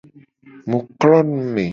Mu klo nume.